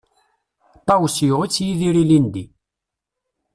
Ṭawes yuɣ-itt Yidir ilindi.